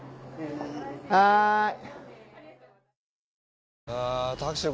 はい。